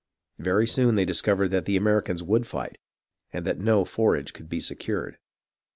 Very soon they discovered that the Americans would fight, and that no forage could be secured.